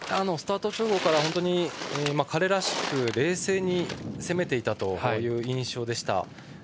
スタート直後から彼らしく冷静に攻めていたという印象でした。